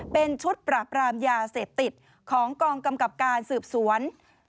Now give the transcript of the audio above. เป็นชุดปราบรามยาเสพติดของกองกำกับการสืบสวน